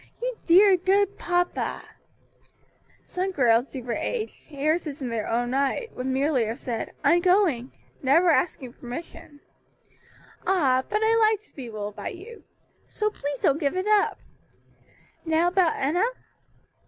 "You dear good papa!" "Some girls of your age, heiresses in their own right, would merely have said, 'I'm going,' never asking permission." "Ah, but I like to be ruled by you. So please don't give it up. Now about Enna?"